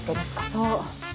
そう。